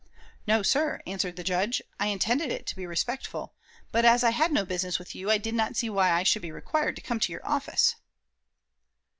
"No, sir," answered the Judge, "I intended it to be respectful, but, as I had no business with you, I did not see why I should be required to come to your office."